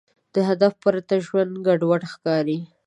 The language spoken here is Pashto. د هدف پرته ژوند ګډوډ ښکاري.